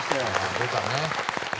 出たね。